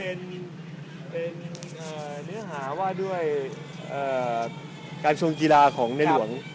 เป็นเนื้อหาว่าด้วยการทรงกีฬาของในหลวง